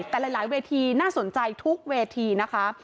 แต่หลายเวทีน่าสนใจทุกเวทีนะคะ